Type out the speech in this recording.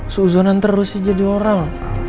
suhuzonan terus sih jadi orang